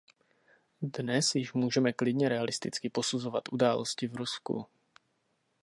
Dnes již můžeme klidně realisticky posuzovat události v Rusku.